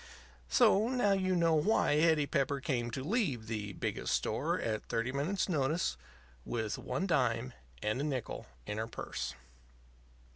So, now you know why Hetty Pepper came to leave the Biggest Store at thirty minutes' notice, with one dime and a nickel in her purse.